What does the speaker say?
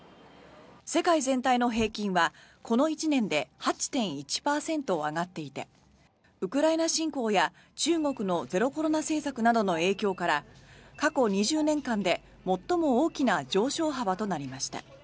世界全体の平均はこの１年で８．１％上がっていてウクライナ侵攻や中国のゼロコロナ政策などの影響から過去２０年で最も大きな上昇幅となりました。